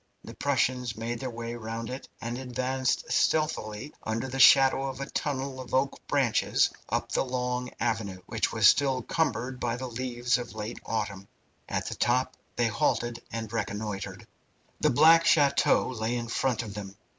The Prussians made their way round it and advanced stealthily, under the shadow of a tunnel of oak branches, up the long avenue, which was still cumbered by the leaves of last autumn. At the top they halted and reconnoitred. The black chateau lay in front of them.